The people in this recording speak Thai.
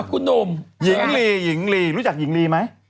คุณหนุ่มหญิงลีหญิงลีรู้จักหญิงลีไหม